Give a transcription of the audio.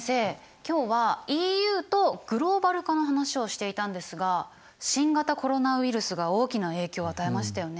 今日はＥＵとグローバル化の話をしていたんですが新型コロナウイルスが大きな影響を与えましたよね？